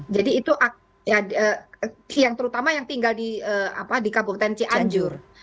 jadi itu yang terutama yang tinggal di kabupaten cianjur